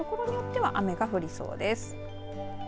ところによっては雨が降りそうです。